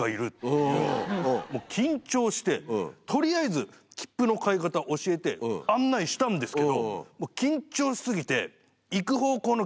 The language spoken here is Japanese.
もう緊張して取りあえず切符の買い方教えて案内したんですけど。